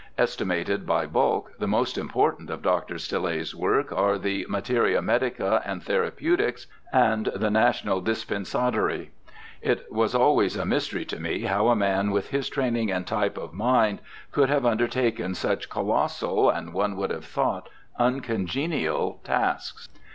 Estimated by bulk, the most important of Dr. Stille's works are the Materia Medica and Therapeutics and the National Dispensatory. It was always a mystery to me how a man with his training and type of mind could have undertaken such colossal and, one would have thought, uncongenial tasks.